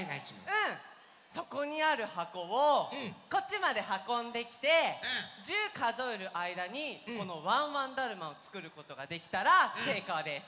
そこにあるはこをこっちまではこんできて１０かぞえるあいだにこのワンワンだるまをつくることができたらせいこうです。